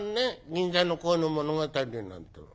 『銀座の恋の物語』なんていうの。